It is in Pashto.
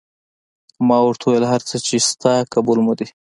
ما ورته وویل: هر څه چې شته قبول مو دي.